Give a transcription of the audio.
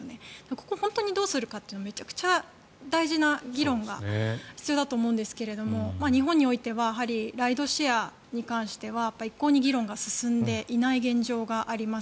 ここを本当にどうするかってめちゃくちゃ大事な議論が必要だと思いますが日本においてはライドシェアも一向に議論が進んでいない現状があります。